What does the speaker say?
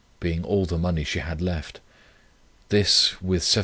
being all the money she had left; this, with 17s.